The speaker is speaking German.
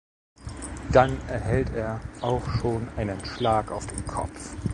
Dann erhält er auch schon einen Schlag auf den Kopf.